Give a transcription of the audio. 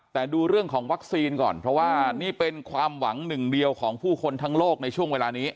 แต่ดูเรื่องของวัคซีนก่อนเพราะว่านี่เป็นความหวังหนึ่งเดียวของผู้คนทั้งโลกในช่วงเวลานี้